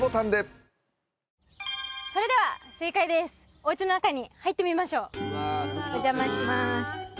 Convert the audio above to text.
お家の中に入ってみましょうお邪魔します